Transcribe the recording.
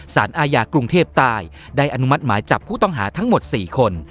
สารอาญากรุงเทพใต้ได้อนุมัติหมายจับผู้ต้องหาทั้งหมด๔คน